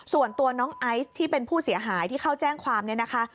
ส่วนตัวน้องไอซ์ที่เป็นผู้เสียหายที่เข้าแจ้งความเนี่ยนะคะ